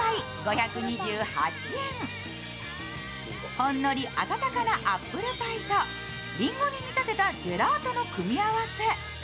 ほんのり温かなアップルパイとりんごに見立てたジェラートの組み合わせ。